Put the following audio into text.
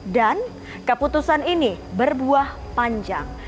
dan keputusan ini berbuah panjang